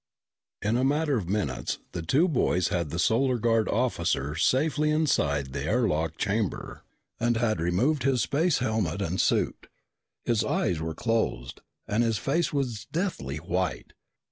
In a matter of minutes, the two boys had the Solar Guard officer safely inside the air lock chamber and had removed his space helmet and suit. His eyes were closed, and his face was deathly white.